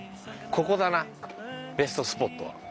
ここだなベストスポットは。